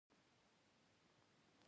د شخړو د حل لپاره جرګه وشوه.